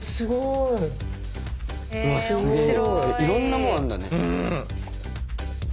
いろんなもんあるんだね。